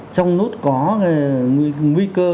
trong nút có nguy cơ